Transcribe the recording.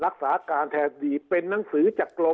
คราวนี้เจ้าหน้าที่ป่าไม้รับรองแนวเนี่ยจะต้องเป็นหนังสือจากอธิบดี